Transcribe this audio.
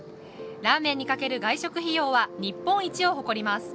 ラーメンにかける外食費用は日本一を誇ります。